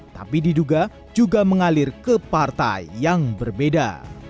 tapi diduga juga mengalir ke partai yang berbeda